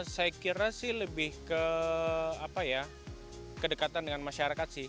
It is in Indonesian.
saya kira sih lebih ke apa ya kedekatan dengan masyarakat sih